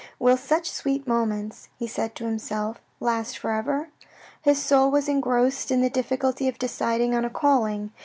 " Will such sweet moments " he said to himself " last for ever ?" His soul was engrossed in the difficulty of deciding on a calling.